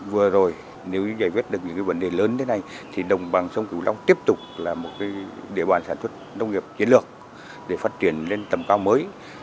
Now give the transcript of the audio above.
với vấn đề cuối cùng hội nghị vừa rồi nếu giải quyết được những vấn đề lớn thế này thì đồng bằng sông cửu long tiếp tục là một địa bàn sản xuất nông nghiệp chiến lược để phát triển lên tầm cao mới